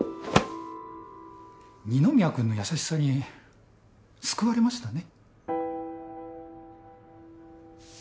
二宮君の優しさに救われましたね。